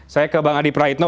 saya ke bang adi praitno